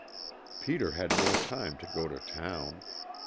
Peter had no time to go to town.